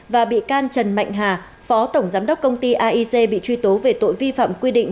và bị can trần mạnh hà phó tổng giám đốc công ty aic bị truy tố về tội vi phạm quy định